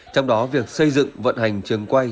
trong đó việc xây dựng vận hành trường quay